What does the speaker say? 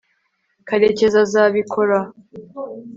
karekezi azabikora